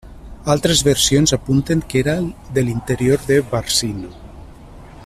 Altres versions apunten que era de l'interior de Barcino.